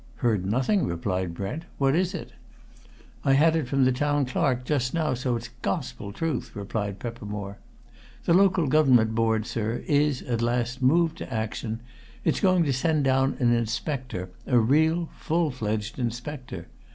"Heard nothing," replied Brent. "What is it?" "I had it from the Town Clerk just now, so it's gospel truth," replied Peppermore. "The Local Government Board, sir, is, at last, moved to action! It's going to send down an inspector a real full fledged inspector!